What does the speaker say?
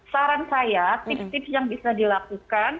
saran saya tips tips yang bisa dilakukan